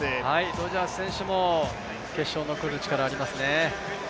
ロジャース選手も決勝に残る力、ありますね。